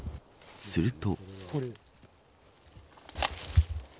すると。